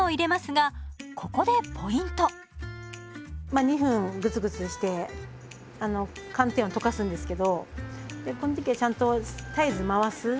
まあ２分グツグツして寒天を溶かすんですけどこの時はちゃんと絶えず回す。